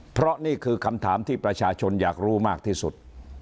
เพราะนี่คือคำถามที่ประชาชนอยากรู้มากที่สุด